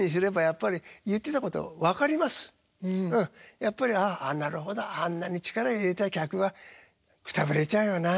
やっぱり「なるほどあんなに力入れたら客はくたぶれちゃうよなあ」。